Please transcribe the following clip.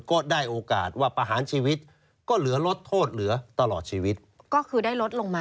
ก็ได้โอกาสว่าประหารชีวิตก็เหลือลดโทษเหลือตลอดชีวิตก็คือได้ลดลงมา